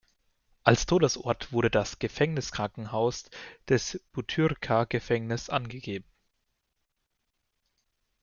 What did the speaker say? Als Todesort wurde das Gefängniskrankenhaus des Butyrka-Gefängnisses angegeben.